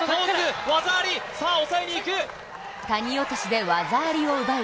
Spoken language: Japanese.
谷落としで技ありを奪い